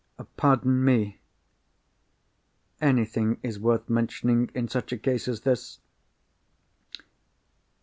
"Pardon me. Anything is worth mentioning in such a case as this.